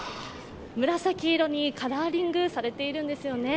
紫色にカラーリングされているんですよね。